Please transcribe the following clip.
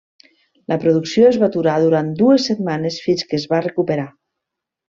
La producció es va aturar durant dues setmanes fins que es va recuperar.